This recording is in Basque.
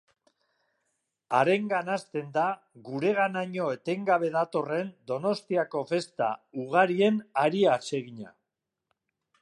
Harengan hasten da gureganaino etengabe datorren Donostiako festa ugarien hari atsegina.